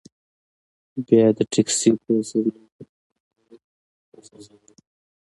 بیا یې د تکسي په سورلۍ په کوم لوري ځوځولو.